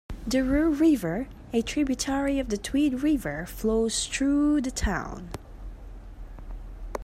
The Rous River, a tributary of the Tweed River, flows through the town.